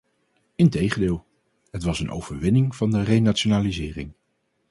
Integendeel, het was een overwinning van de renationalisering.